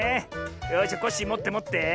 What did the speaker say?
よしじゃコッシーもってもって。